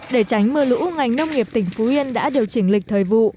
để tránh mưa lũ ngành nông nghiệp tỉnh phú yên đã điều chỉnh lịch thời vụ